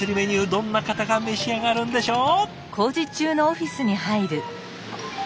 どんな方が召し上がるんでしょう？